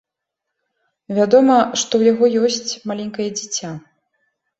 Вядома, што ў яго ёсць маленькае дзіця.